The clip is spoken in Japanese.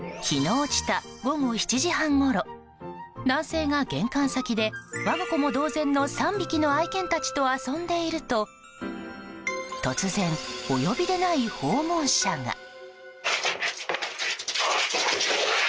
日が落ちた午後７時半ごろ男性が玄関先で我が子も同然の３匹の愛犬たちと遊んでいると突然、お呼びでない訪問者が。